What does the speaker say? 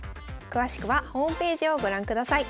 詳しくはホームページをご覧ください。